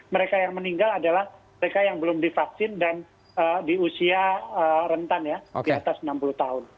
mereka yang meninggal adalah mereka yang belum divaksin dan di usia rentan ya di atas enam puluh tahun